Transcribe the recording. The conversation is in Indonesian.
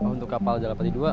untuk kapal jalapati dua